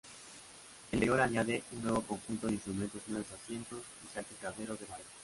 El interior añade un nuevo conjunto de instrumentos, nuevos asientos y salpicadero de madera.